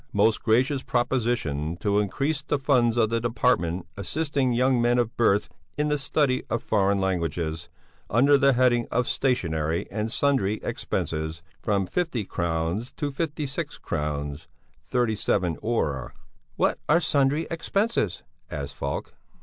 most gracious proposition; to increase the funds of the department assisting young men of birth in the study of foreign languages, under the heading of stationery and sundry expenses, from 50.000 crowns to 56.000 crowns 37 öre." "What are sundry expenses?" asked Falk.